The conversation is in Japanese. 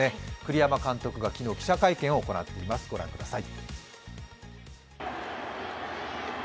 栗山監督が昨日、記者会見を行っています、ご覧ください。